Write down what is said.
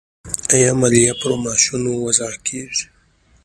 آیا مالیه پر معاشونو وضع کیږي؟